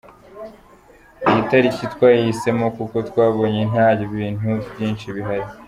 Iyi tariki twayihisemo kuko twabonye nta bintu byinshi bihari.